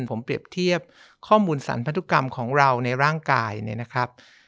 ผมเปรียบเทียบข้อมูลสรรพันธุกรรมของเราในร่างกายเนี่ยนะครับ